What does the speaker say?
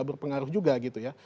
berpengaruh juga gitu ya